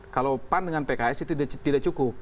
kalau pan dengan pks itu tidak cukup